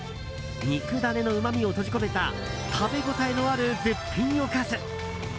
肉ダネのうまみを閉じ込めた食べ応えのある絶品おかず。